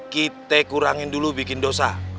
kita kurangin dulu bikin dosa